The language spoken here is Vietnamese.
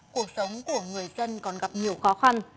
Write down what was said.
cuộc sống của người dân còn gặp nhiều khó khăn